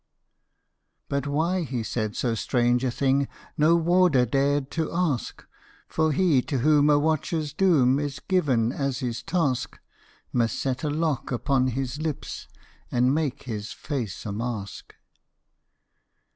But why he said so strange a thing No Warder dared to ask: For he to whom a watcherâs doom Is given as his task, Must set a lock upon his lips, And make his face a mask.